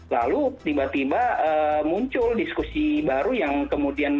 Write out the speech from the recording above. lalu tiba tiba muncul diskusi baru yang kemudian